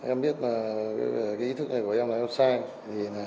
em biết là cái ý thức này của em là em sang